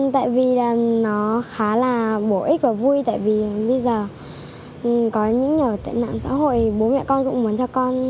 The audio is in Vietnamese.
tại vì nó khá là bổ ích và vui tại vì bây giờ có những nhờ tệ nạn xã hội bố mẹ con cũng muốn cho con